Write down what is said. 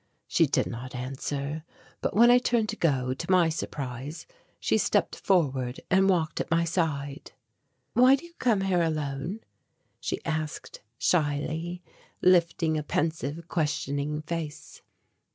She did not answer, but when I turned to go, to my surprise, she stepped forward and walked at my side. "Why do you come here alone?" she asked shyly, lifting a pensive questioning face.